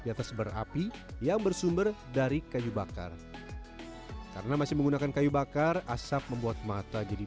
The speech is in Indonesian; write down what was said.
di atas berapi yang bersumber dari kayu bakar karena masih menggunakan kayu bakar asap membuat mata jadi